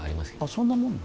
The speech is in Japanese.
そんなもんなの？